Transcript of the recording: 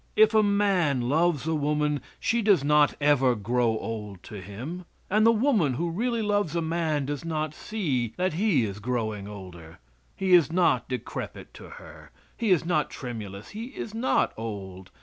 If a man loves a woman she does not ever grow old to him. And the woman who really loves a man does not see that he is growing older. He is not decrepit to her. He is not tremulous. He is not old.